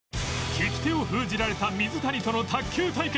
利き手を封じられた水谷との卓球対決